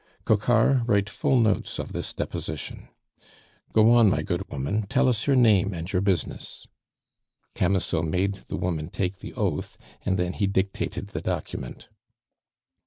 "Coquart, write full notes of this deposition. Go on, my good woman; tell us your name and your business." Camusot made the woman take the oath, and then he dictated the document.